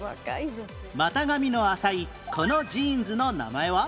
股上の浅いこのジーンズの名前は？